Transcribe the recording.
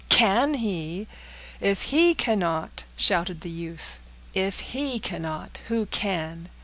"Can he? If he cannot," shouted the youth, "if he cannot, who can?